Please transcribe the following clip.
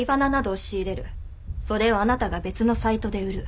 それをあなたが別のサイトで売る。